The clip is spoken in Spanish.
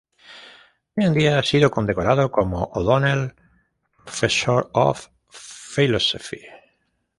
Hoy en día, ha sido condecorado como O'Donnell Professor of Philosophy.